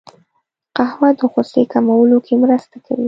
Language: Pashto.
قهوه د غوسې کمولو کې مرسته کوي